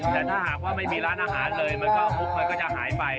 แต่ถ้าหากว่าไม่มีร้านอาหารเลยมันก็คุกมันก็จะหายไป